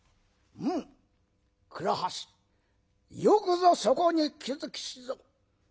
「うん倉橋よくぞそこに気付きしぞ。